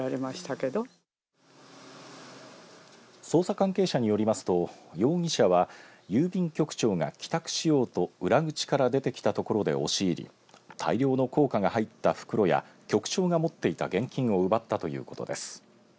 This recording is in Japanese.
捜査関係者によりますと容疑者は郵便局長が帰宅しようと裏口から出てきたところで押し入り大量の硬貨が入った袋や局長が持っていた現金を奪ったということです。